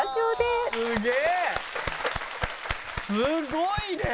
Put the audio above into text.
すごいね。